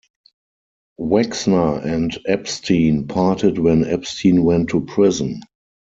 Wexner and Epstein parted when Epstein went to prison.